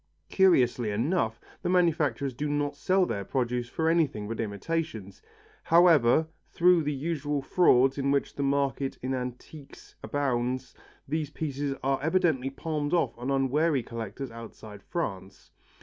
Curiously enough the manufacturers do not sell their produce for anything but imitations; however, through the usual frauds in which the market in antiques abounds, these pieces are evidently palmed off on unwary collectors outside France.